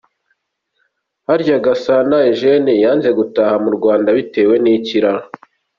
Harya Gasana Eugène yanze gutaha mu Rwanda bitewe n’iki raa?